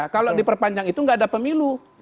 kalau diperpanjang itu nggak ada pemilu